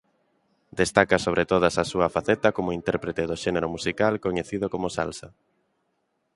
Destaca sobre todas a súa faceta como intérprete do xénero musical coñecido como salsa.